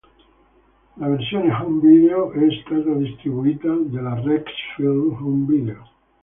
La versione home video è stata distribuita dalla Rex Films Home Video.